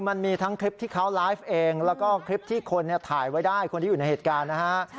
มันมีทั้งคลิปที่เขาไลฟ์เองแล้วก็คลิปที่คนถ่ายไว้ได้คนที่อยู่ในเหตุการณ์นะฮะ